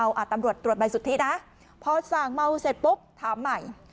เอาตำรวจตรวจใบสุทธินะพอส่างเมาเสร็จปุ๊บถามใหม่